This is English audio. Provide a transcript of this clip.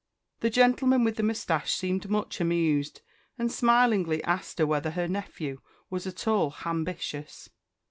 The gentleman with the moustache seemed much amused, and smilingly asked her whether her nephew was at all _h_ambitious?